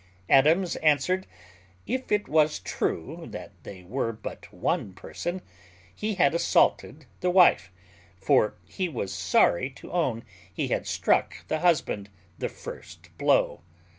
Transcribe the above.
Adams answered, If it was true that they were but one person, he had assaulted the wife; for he was sorry to own he had struck the husband the first blow.